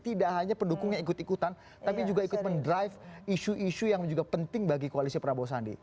tidak hanya pendukung yang ikut ikutan tapi juga ikut mendrive isu isu yang juga penting bagi koalisi prabowo sandi